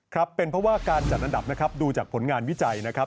ครับเป็นเพราะว่าการจัดอันดับนะครับดูจากผลงานวิจัยนะครับ